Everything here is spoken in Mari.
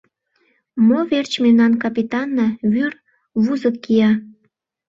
Мо верч мемнан капитанна вӱр вузык кия?